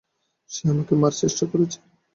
সে আমাকে মারার চেষ্টা করছে।